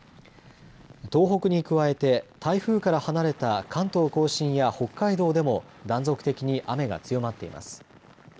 東北に加えて、台風から離れた関東甲信や北海道でも、断続的に雨が強まっています。